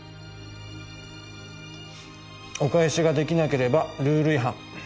お返しができなければルール違反。